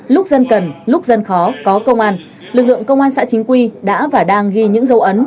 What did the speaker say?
lúc dân cần lúc dân khó có công an lực lượng công an xã chính quy đã và đang ghi những dấu ấn